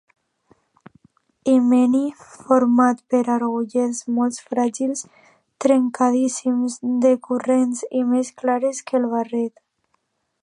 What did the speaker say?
Himeni format per agulletes molt fràgils, trencadisses, decurrents, i més clares que el barret.